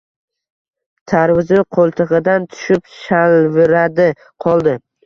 Tarvuzi qo‘ltig‘idan tushib shalviradi qoldi.